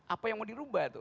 apa yang mau dirubah